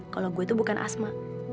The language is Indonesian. kalau gue itu bukan asma